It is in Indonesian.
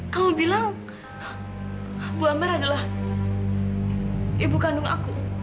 kamu bilang bu amer adalah ibu kandung aku